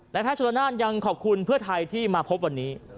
แพทย์ชนละนานยังขอบคุณเพื่อไทยที่มาพบวันนี้